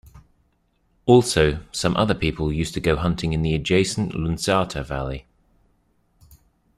Also, some other people used to go hunting in the adjacent Lunzjata Valley.